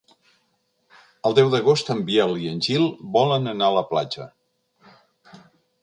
El deu d'agost en Biel i en Gil volen anar a la platja.